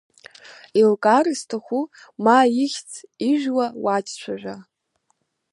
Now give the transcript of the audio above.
Еилкаара зҭаху, ма ихьӡ, ижәла, уаҿцәажәа…